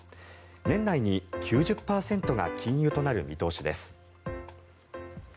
年内に９０％が禁輸となる見通しです。